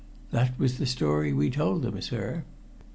That was the story we told them, sir."